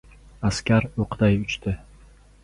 Askar o‘qday uchdi.